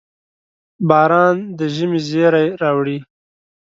• باران د ژمي زېری راوړي.